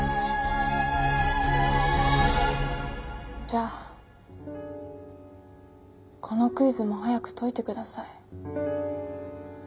じゃあこのクイズも早く解いてください。